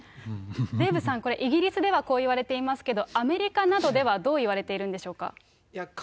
デーブさん、これ、イギリスでは、こう言われていますけど、アメリカなどではどう言われているんでしょうか。